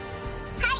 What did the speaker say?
はい！